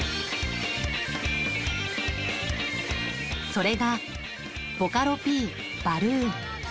それが、ボカロＰ、バルーン。